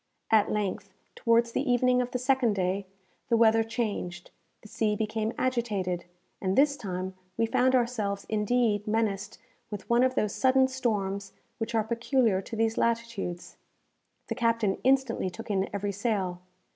At length, towards the evening of the second day, the weather changed, the sea became agitated, and this time we found ourselves indeed menaced with one of those sudden storms which are peculiar to these latitudes. The captain instantly took in every sail.